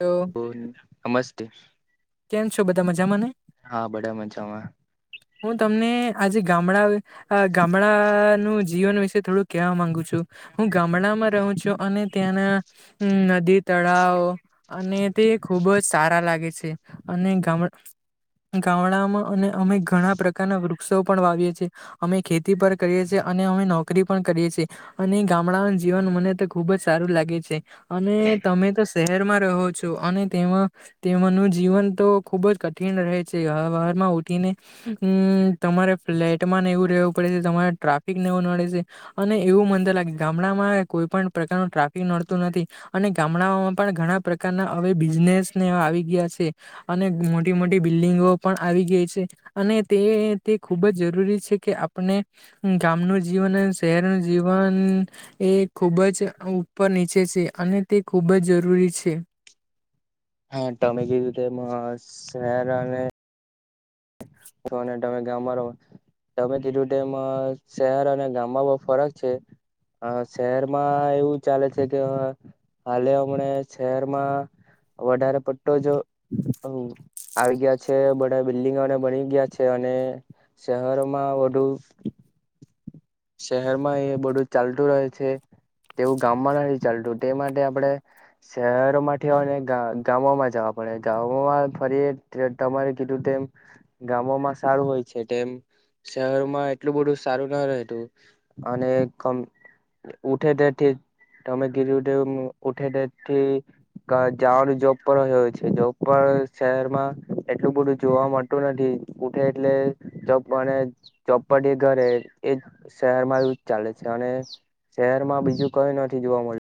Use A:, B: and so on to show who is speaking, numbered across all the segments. A: તો
B: ઓ નમસ્તે,
A: કેમ છો બધા મજામાં ને.
B: હા બડા મજામાં.
A: હું તમને આજે ગામડા ગામડાનુંજ જીવન વિશે થોડું કવા માંગુ છુ, હું ગામડામાં રહું છું. જો અને ત્યાંના નદી તળાવ અને તે ખુબ જ સારા લાગે છે. અને ગામ ગામડામાં [unintelligible] ઘણા પ્રકારના વૃક્ષો પણ વાવીએ છીએ અમે ખેતી પર કરીએ છીએ અને અમે નોકરી પણ કરીએ છેીએ અને ગામડાઓ જીવન મને તો ખુબ જ સારું લાગે છે. અને તમે તો શહેરમાં રહો છો અને તેમાં તેમાનું જીવન તો ખુબ જ કઠિન રહે છે. માં ઉઠી ને હમ્મ તમારે ફ્લેટમાં ને એવું રહેેવું પડે છે, તમારે ટ્રાફિક ને એવું નળે છે અને એવું મને તો લાગે ગામડામાં કોઈ પણ પ્રકારનું ટ્રાફિક નડતું નથી, અને ગામડાઓમાં પણ ઘણા પ્રકારના હવે બિઝનેસને આવી ગયા છે, અને મોટી મોટી બિલ્ડિંગો પણ આવી ગઈ છે. અને તે તે ખૂબ જ જરૂરી છે કે આપણે ગામનું જીવન શહેરનું જીવન એ ખુબ જ ઉપર નીચે છે, અને તે ખૂબ ખૂબ જ જરૂરી છે.
B: હા તમે કેીધ [unintelligible] રીતે એમાં શહેર અને તો અને તમે ગામમાં રહો. તમે કીધું તેમ શહેર અને ગામમાં બવ ફરક છે હા શહેરમાં એવું ચાલે છે, કે હાલે અમણે શહેરમાં વધારે પટ્ટો જો આવી ગયા છે, બધા બિલ્ડિંગોને બની ગયા છે અને શહેરોમાં વધુ શહેરમાં એ બધું ચાલતું રહે છે તેવું ગામમાં નથી ચાલતું તે માટે આપણે શહેરોમાંથી હોને ગા ગામામાં જવા પડે. [unintelligible] ફરી તમારે કીધું તેમ ગામોમાં સારું હોય છે તેમ. શહેરોમાં એટલું બધું સારું ના રહેતું અને ઉઠે તેથી તમે ગીર ઉઠે ઉઠે તેથી જવાનું જોબ પર હોય છે જોબપર શહેરમાં એટલું બધું જોવા મળતું નથ થી ઉઠે એટલે ચોપમાં અને ચોપટી ઘરે એ શહેરમાં એ ચા અને શહેરમાં બીજું કઈ નથી જોવા મળ્યું.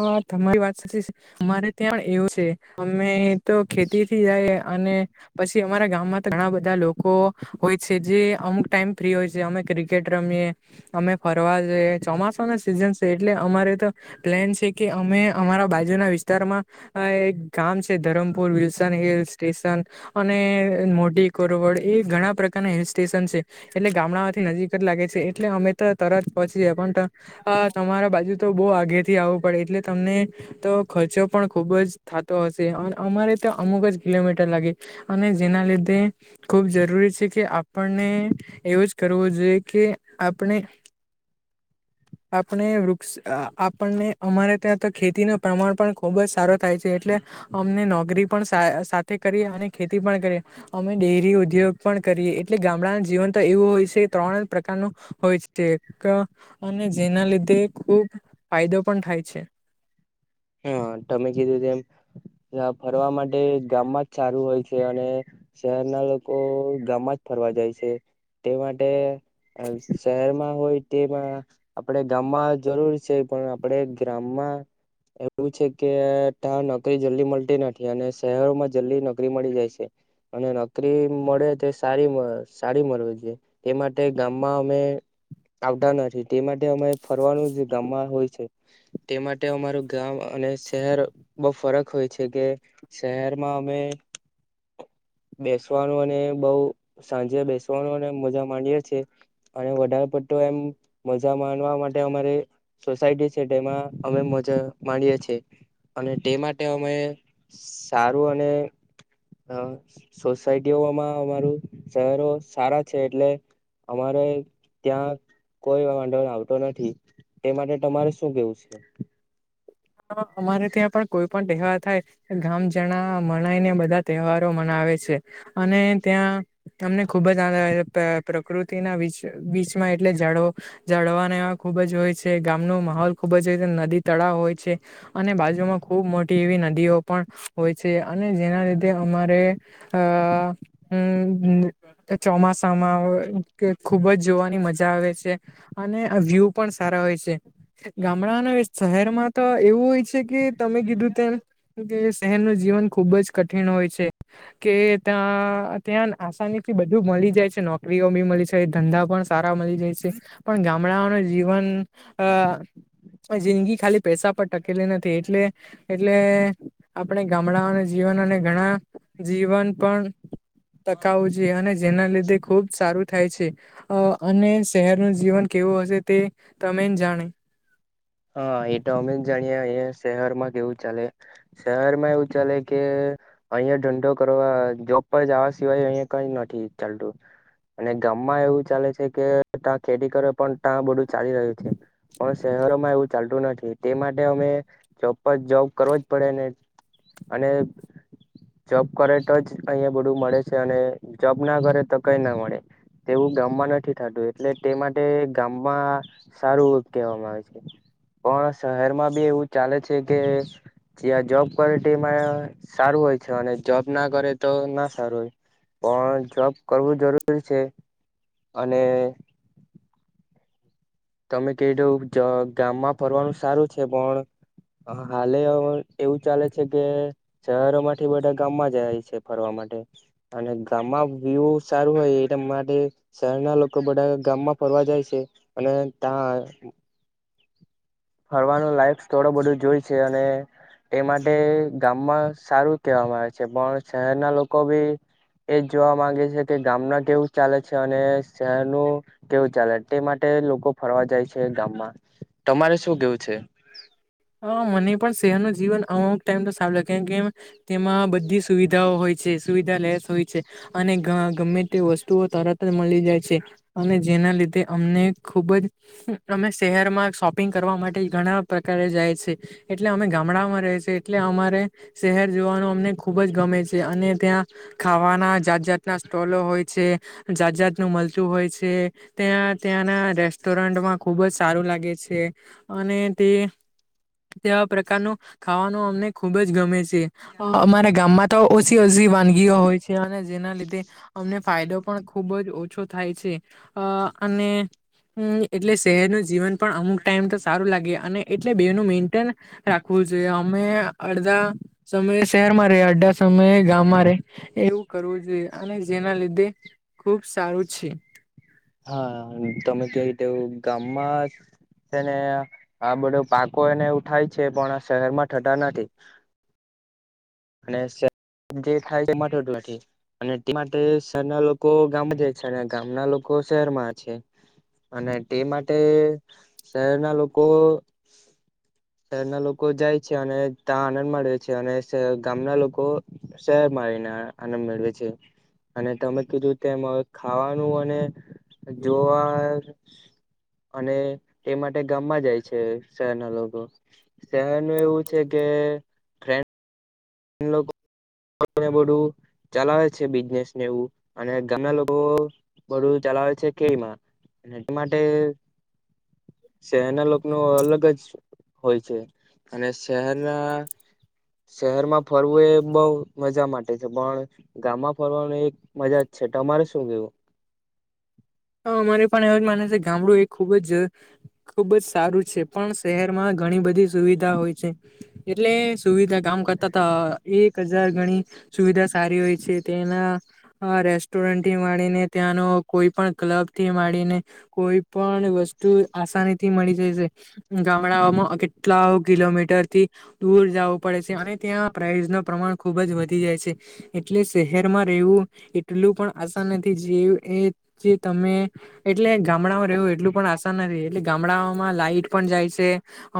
A: હા, તમારી વાત સાચી છે અમારે ત્યાં પણ એવું છે અમે તો ખેતી થી જાય અને પછી અમારા ગામમાં તો ઘણા બધા લોકો હોય છે જે અમુક ટાઈમ ફ્રી હોય છે અમે કરી કેટ રમીએ, અમે ફરવા જઈએ ચોમાસ ના સીઝન છે એટલે અમારે તો પ્લેનસ છે કે અમે અમારા બાજુના વિસ્તારમાં અ એક ગામ છે ધરમપુર વિલસન એ સ્ટેશન અને મોઢી કોરવડ એ ઘણા પ્રકારના હિલ સ્ટેશન છે. એટલે ગામડા માંથી નજીક જ લાગે છે એટલે અમે તરત પહોંચી જાય પણ અ તમારા બાજુ તો બહુ આગે થી આવું પડે એટલે તમને તો ખર્ચો પણ ખુબ જ થતો હશે અમારે તો અમુક જ કિલોમીટર લાગે અને જેના લીધે ખુબ જરૂરી છે કે આપણને એવું જ કરવું જોઈ એ કે આપણે આપણે વૃક્ષ આપણને અમારે ત્યાં તો ખેતી નું પ્રમાણ પણ ખુબ જ સારો થાય છે. એટલે અમને નોકરી પણ સાથે કરીએ અને ખેતી પણ કરી અમે ડેરી ઉદ્યોગ પણ કરીએ એટલે ગામડા ના જીવન તો એવું હોય છે તણે પ્રકાર નુ હોય છે તો અને જેના લીધે એક ફાયદો પણ થાય છે.
B: હા તમે કીધું તેમ ફરવા માટે ગામમાં જ સારું હોય છે અને શહેરના લોકો ગામ માં જ ફરવા જાય છે તે માટે શહેરમાં હોય તેમાં આપડે ગામમાં જરૂર છે. પણ આપણેે ગ્રામમાં એવું છે કે તા નોકરી જલ્દી મળતી નથી અને શહેરોમાં જલ્દી નોકરી મળી જાય છે. અને નોકરી મળે તે સારી સારી મળવી છે તે માટે ગામમાં અમે આવતા નથી તે માટે અમે ફરવાનું ગામમાં હોય છે તે માટે અમારું ગામ અને શહેર બઉ ફરક હોય છે કે શહેરમાં અમે બેસવાનું અને બઉ સાંજે બેસવાનું અને મજા માંડીએે છીએ અને વધારે એ મજા માણવા માટે અમારી સોસાયટી છે. તેમાં અમે મજા માણી છે અને તે માટે અમે સારું અને અ સોસાયટીઓમાં અમારું શહેરો સારા છે એટલે અમારે ત્યાં કોઈ વાંધો આવતો નથી. તે માટે તમારે શું કેવું છે?
A: હા અમારે ત્યાં પણ કોઈ પણ તહેવાર થાય ગામ જણા મનાય ને બધા તહેવારો મનાવે આવે છે અને ત્યાં તમને ખુબ જ આંદ પ્રકૃતિના બી બીચમાં એટલે ઝાળ જળવાને ખુબજ હોય છે, ગામનો માહોલ ખુબ જ હોય છે નદી, તળાવ હોય છે અને બાજુમાં ખૂબ મોટી એવી નદીઓ પણ હોય છે અને જેના લીધે અમારે અ હુ ચોમાસામાં અવે કે ખુબ જ જોવાની મજા આવે છે અને વ્યુ પણ સારા હોય છે. ગામડાના શહેરમાં તો એવું હોય છે કે તમે કીધું તેમ કે શહેરનું જીવન ખુબ જ કઠિન હોય છે કે ત્યાં ત્યાં આસાની થી બધું મળી જાય છે નોકરીઓ બી મળી છે ધંધા પણ સા સારા મળી જાય છે પણ ગામડાઓ જીવન જિંદગી ખાલી પૈસા પર ટકેલી નથી એટલે એટલે આપણે ગામડાઓના જીવન અને ઘણા જીવન પણ ટકાવું જોઈએ અને જેના લીધે ખુબ સારું થાય છે અને શહેરનું જીવન કેવા વ હશે તે તમે જાણે
B: હા એટ અમે જાણી અ શહેરમાં કેવું ચાલે શહેર માં એવું ચાલે કે અહીયાં ઢંડો કર જોબ પર જવા સિવાય અહીિ કઈ નથી ચાલતું અને ગામમાં એવું ચાલે છે કે ત્યાં ખેતી કરે પણ ત્યાં બધું ચાલી રહ્યું છે. પણ શહેરોમાં એવું ચાલતું નથી તે માટે અમે જપ જોબ કરવો જ પડે ને અને જોબ કરે તો જ અહીયાંયા બધું મળે છે અને જોબ ના કરે તો કઈ ના મળે તેવું ગામમાં નથી થતું એટલે તે માટે ગામમાં સારું કહેવામાં આવે છે. પણ શહેરમાં બી એવું ચાલે છે કે જ્યાં જોબ કરે તેમા સારું હોય છે અને જોબ ના કરે તો ના સારું હોય પણ જોબ કરવું જરૂરી છે અને તમે ક દ ગામમાં ફરવાનું સારું છે પણ હાલે એવું ચાલે છે કે શહેરો માંથી બધા ગામમાં જાય છે ફરવા માટે અને ગામમાં વ્યુ સારું હોય એ માટે શહેરના લોકો બધા ગામમાં ફરવા જાય છે અને ત્યા ફરવાનું લાયક થોડું બધું જોય છે અને એ માટે ગામમાં સારું કહેવામાં આવે છે પણ શહેરના લોકો ભી એ જ જોવા માંગે છે કે ગામના કેવું ચાલે છે અને શહેરનું કેવું ચાલે તે માટે લોકો ફરવા જાય છે ગામમાં તમારે
A: હ
B: શું કેવું છે?
A: મને પણ શેર ન જીવન આવ મ તો સાેમ કે તેમાં બધી સુવિધાઓ હોય છે સુવિધા લેસ હોય છે અને ગમે તે વસ્તુઓ તારા મળી જાય છે અને જેના લીધે અમને ખુબ જ અમે શહેરમાં શોપિંગ કરવા માટે ઘણા પ્રકારે જાય છે એટલે અમે ગામડામાં ર છે એટલે અમારે શહેર જોવાનું અમને ખુબ જ ગમે છે અને ત્યાં ખાવાના જાત જાતના સ્ટોલો હોય છે જાત જાતનું મળતું હોય છે ત્યાં ત્યાંના રેસ્ટોરન્ટમાં ખુબ જ સારું લાગે છે અને તે તેવા પ્રકારનું ખાવાનું અમને ખુબ જ ગમે છે અમારા ગામમાં તો ઓછી ઓછી વાનગીઓ હોય છે અને જેના લીધે અમને ફાયદો પણ ખુબ જ ઓછો થાય છે અને એટલે શહેર નું જીવન પણ તેમ તો સારું લાગે એટલે બે મેન રાખવું જોઈએ અમે અડધા શહેર માં રે અધડા સમયે ગામમાં રે એવું કરવું જોઈએ અને જેના લીધે ખુબ સારું છે
B: હા તમે ક રીતે ગામમાં તેને આ બધો પાકો એને ઉઠાય છે પણ શહેર માં ઠઠા નથી
A: [inaudible]
B: અને જે થાય છે નથી અને એટ માટે શહેરના લોકો ગામ જાય છે અને ગામના લોકો શહેરમાં છે અને તે માટે શહેરના લોકો શહેરના લોકો જાય છે અને ત્યાં આનંદ મળે છે અને ગામના લોકો શહેરમાં આવીને આનંદ મેળવે છે અને તમે કીધું તેમ હ ખાવાનું અને જોવા અને તે માટે ગામમાં જાય છે શહેરના લોકો શહેરનું એવું છે કે ટ્રેન બું [inaudible] ચલાવે છે બિઝનેસ ને એવું અને ગામના લોકો તો બડું ચલાવે છે કેરી માં એટ માટે શહેરના લોકો ન અલગ જ હોય છે. અને શહેરના શહેરમાં ફરવું એ બહ મજા માટે છે પણ ગામમાં ફરવાનું એક મજા જ છે તમારે શું કેવું?
A: હ અમારે પણ એવું જ માને છે ગામડું એ ખુબ જ ખુબ જ સારું છે પણ શહેરમાં ઘણી બધી સુવિધા હોય છે એટલે સુવિધા કામ કરતા એક હજાર ગણી સુવિધા સારી હોય છે તેના હા રેસ્ટોરન્ટથી વાળીને ત્યાંનો કોઈ પણ ક્લબ થી માંડીને કોઈ પણ વસ્તુ આસાની થી મળી જ છે ગામડાઓ કેટલા કિલોમીટરથી દૂર જવું પડે છે અને ત્યાં પ્રઇસ ન પ્રમાણ ખુબ જ વધી. જાય છે એટલે શહેરમાં રહેવું એટલું પણ આસાન નથી જે એ જે તમે એટલે ગામડામાં રેવું એટલું પણ આશા નથી એટલે ગામડામાં લાઈટ પણ જાય છે. હ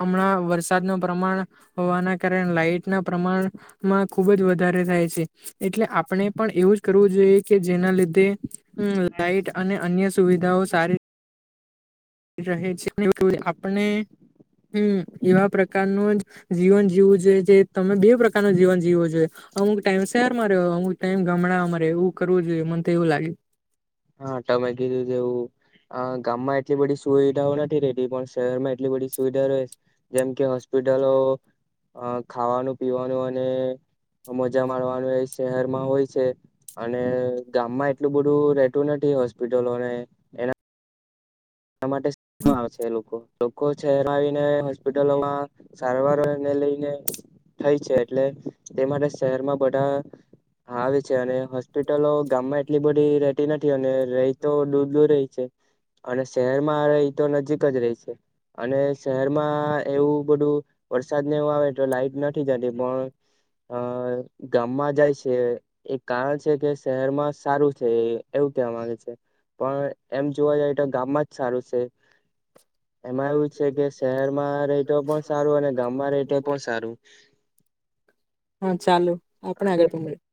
A: હમણાં વરસાદ ન પ્રમાણ હોવાના કારણે લાઈટ ના પ્રમાણ ખુબ જ વધારે થાય છે એટલે આપણે પણ એવું જ કરવું જોઈએ કે જેના લીધે હમ લાાઈટ અને અન્ય સુવિધાઓ સારી રહે છે [unintelligible] આપને હમ્મ એવા પ્રકાર નુ જ જીવન જીવું જે રીતે તમે બે પ્રકાર ન જીવન જીવુ જોઈએ અમુક ટાઈમ શહેરમાં રહ્યો અમુક ટાઈમ ગામડા રેવુ કરવું જોઈએ મને તો એવું લાગે.
B: હા ટામે કીડુ તેવુ આ ગામમાં એટલી બધી સુવિધાઓ નથી રેતી પણ શહેરમાં એટલી બધી સુવિધા રહે જેમ કે હોસ પીટલો ખાવાનું પીવાનું અને મજા માણવાનું એ શહેરમાં હોય છે અને ગામમાં એટલું બધું રે ટુ નથી હોસ્પિટલોને એના એના માટે [unintelligible] આવે છે એ લોકો. લોકો છેર આવીને હોસ્પિટલોમાં સારવારને લઈને થઈ છે એટલે તે માટે શહેરમાં બધા આવે છે અને હોસ્પિટલો ગામમાં એટલી બધી રેતી નથી અને રહી તો દૂર દૂર રહી છે અને શહેરમાં એ તો નજીક જ રહી છે અને શહેરમાં એવું બધું વરસાદ હવા આવે તો લાઈટ નથી જતી પણ અ ગામમાં જાય છે એક કારણ છે કે શહેરમાં સારું છે એવું કહેવામા આવે છે. પણ એમ જોવા જઈ તો ગામમાં જ સારું છે. એમાં એવું છે કે શહેરમાં રેય પણ સારું અને ગામમાં રેય પણ સારું.
A: હા ચાલુ આપણે આગળ પણ [unintelligible]